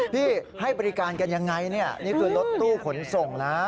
พี่ให้บริการกันอย่างไรนี่คือต้นตู้ขนส่งนะ